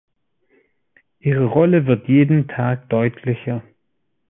Ihre Rolle wird jeden Tag deutlicher.